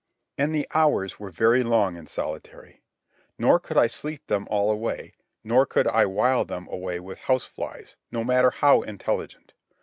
And the hours were very long in solitary; nor could I sleep them all away; nor could I while them away with house flies, no matter how intelligent.